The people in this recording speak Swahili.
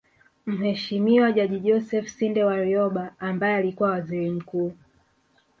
Mheshimiwa Jaji Joseph Sinde Warioba ambaye alikuwa Waziri Mkuu